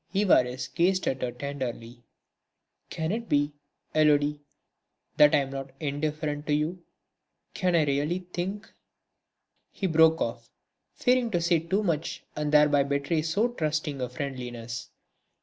Évariste gazed at her tenderly. "Can it be, Élodie, that I am not indifferent to you? Can I really think...?" He broke off, fearing to say too much and thereby betray so trusting a friendliness.